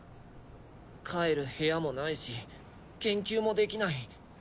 帰る部屋もないし研究もできない。